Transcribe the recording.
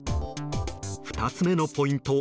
２つ目のポイント